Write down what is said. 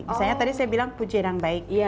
misalnya tadi saya bilang pujian yang baik